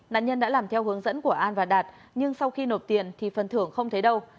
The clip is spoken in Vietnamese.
nạn nhân đã làm theo hướng dẫn của an và đạt nhưng sau khi nộp tiền thì phần thưởng không thấy đâu